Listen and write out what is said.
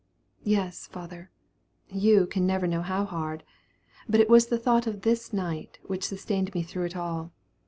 "Yes, father, you can never know how hard; but it was the thought of this night which sustained me through it all.